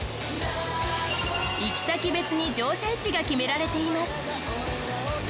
行き先別に乗車位置が決められています。